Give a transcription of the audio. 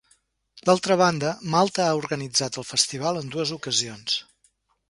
D'altra banda, Malta ha organitzat el festival en dues ocasions.